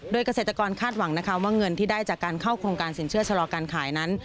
โดยเกษตรกรคาดหวังนะคะว่าเงินที่ได้จากการเข้าโครงการสินเชื่อชะลอการขายนั้น